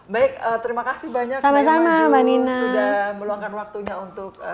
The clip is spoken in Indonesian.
baik terima kasih banyak mbak irma jun